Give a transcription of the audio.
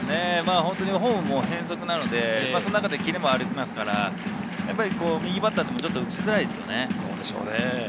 フォームも変則なので、その中でキレもありますから、右バッターも打ちづらいですね。